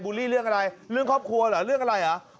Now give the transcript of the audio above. ลี่เรื่องอะไรเรื่องครอบครัวเหรอเรื่องอะไรเหรอ